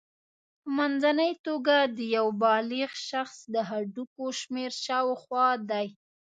په منځنۍ توګه د یو بالغ شخص د هډوکو شمېر شاوخوا دی.